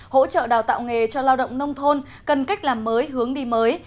hỗ trợ đào tạo nghề cho lao động nông thôn cần cách làm mới hướng đi mới